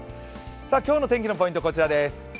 今日の天気のポイントはこちらです。